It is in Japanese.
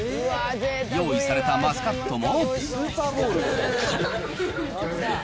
用意されたマスカットも。